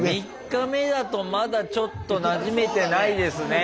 ３日目だとまだちょっとなじめてないですね。